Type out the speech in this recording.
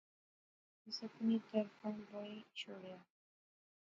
تُس اپنی طرفاں بائی شوڑیا